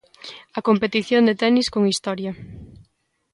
A competición de tenis con historia.